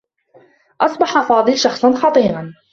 أصبح فاضل شخصا خطيرا.